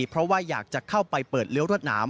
เพราะว่าอยากจะเข้าไปเปิดเลี้ยวรวดหนาม